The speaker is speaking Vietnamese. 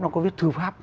nó có viết thư pháp